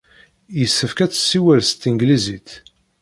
Yessefk ad tessiwel s tanglizit.